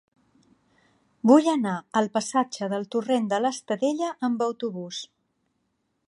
Vull anar al passatge del Torrent de l'Estadella amb autobús.